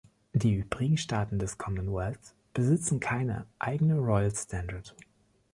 Die übrigen Staaten des Commonwealth besitzen keine eigene Royal Standard.